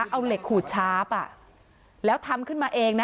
เอาเหล็กขูดชาร์ฟแล้วทำขึ้นมาเองนะ